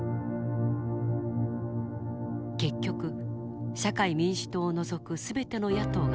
結局社会民主党を除く全ての野党が賛成。